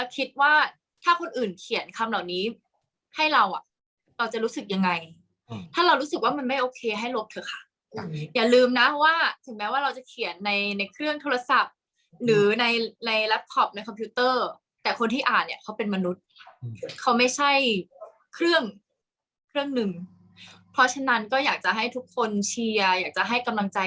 คิดว่าถ้าคนอื่นเขียนคำเหล่านี้ให้เราอ่ะเราจะรู้สึกยังไงถ้าเรารู้สึกว่ามันไม่โอเคให้ลบเถอะค่ะอย่าลืมนะว่าถึงแม้ว่าเราจะเขียนในในเครื่องโทรศัพท์หรือในในแลปคอปในคอมพิวเตอร์แต่คนที่อ่านเนี่ยเขาเป็นมนุษย์เขาไม่ใช่เครื่องเครื่องหนึ่งเพราะฉะนั้นก็อยากจะให้ทุกคนเชียร์อยากจะให้กำลังใจ